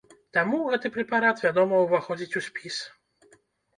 Таму гэты прэпарат, вядома, уваходзіць у спіс.